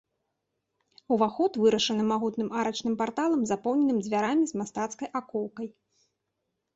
Уваход вырашаны магутным арачным парталам, запоўненым дзвярамі з мастацкай акоўкай.